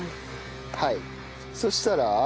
はいそしたら。